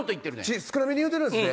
少なめに言うてるんすね。